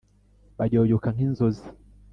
Bayoyoka nk inzozi